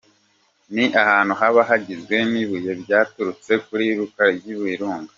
Ni ahantu haba hagizwe n'ibibuye byaturutse ku iruka ry'ibirunga.